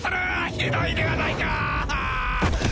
ひどいではないか！